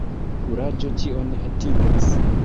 Kuraĝo ĉion atingas.